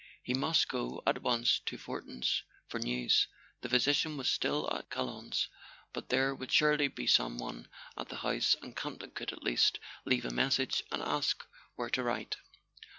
He must go at once to Fortin's for news. The physician was still at Chalons; but there would surely be some one at the house, and Campton could at least leave a message and ask where to write.